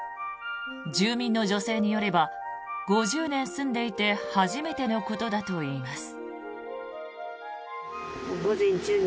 住民の女性によれば５０年住んでいて初めてのことだといいます。